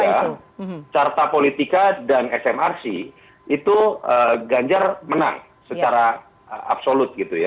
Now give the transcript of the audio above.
ya carta politika dan smrc itu ganjar menang secara absolut gitu ya